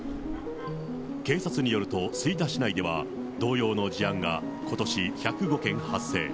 警察によると、吹田市内では同様の事案がことし１０５件発生。